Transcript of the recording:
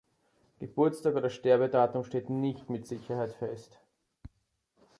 Geburtstag oder Sterbedatum steht nicht mit Sicherheit fest.